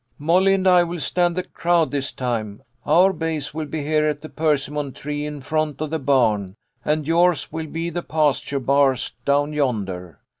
" Molly and I will stand the crowd, this time. Our base will be here at the persimmon tree in front of the barn, and yours will be the pasture bars down yonder.